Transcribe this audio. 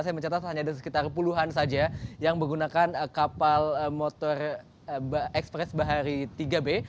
saya mencatat hanya ada sekitar puluhan saja yang menggunakan kapal motor express bahari tiga b